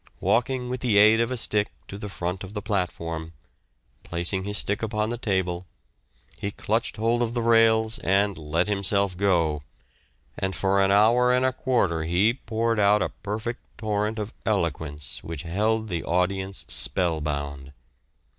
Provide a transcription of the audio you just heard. Walking with the aid of a stick to the front of the platform, placing his stick upon the table, he clutched hold of the rails and "let himself go," and for an hour and a quarter he poured out a perfect torrent of eloquence which held the audience spellbound.